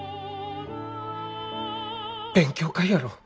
勉強会やろう。